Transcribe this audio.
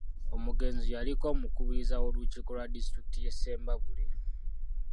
Omugenzi yaliko Omukubiriza w'olukiiko lwa disitulikiti y'e Ssembabule